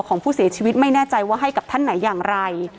ของผู้เสียชีวิตไม่แน่ใจว่าให้กับท่านไหนอย่างไร